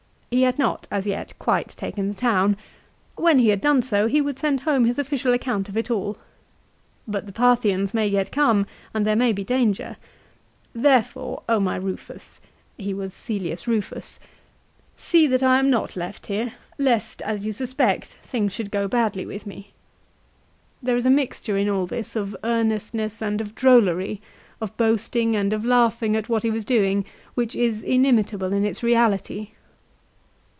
He had not as yet quite taken the town. When he had done so, he would send home his official account of it all. But the Parthians may yet come, and there may be danger. " There fore, my Rufus," he wa,s Cselius Eufus, "see that I am not left here, lest, as you suspect, things should go badly with me." There is a mixture in all this of earnestness and of drollery, of boasting and of laughing at what he was doing, which is inimitable in its reality.